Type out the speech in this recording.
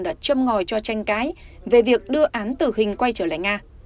đã châm ngòi cho tranh cãi về việc đưa án tử hình quay trở lại nga